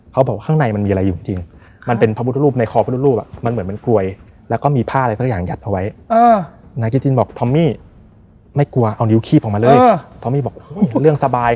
เขาเป็นคนไม่เชื่ออะไรอย่างนี้เลย